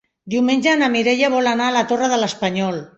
Diumenge na Mireia vol anar a la Torre de l'Espanyol.